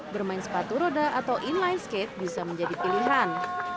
bermain sepatu roda atau inline skate bisa menjadi pilihan